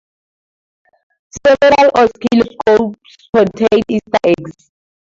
Several oscilloscopes contain Easter eggs.